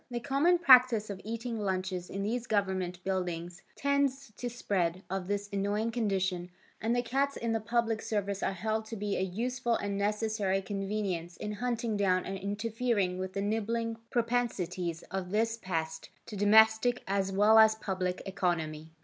The common practice of eating lunches in these government buildings tends to the spread of this annoying condition and the cats in the public service are held to be a useful and necessary convenience in hunting down and interfering with the nibbling propensities of this pest to domestic as well as public economy.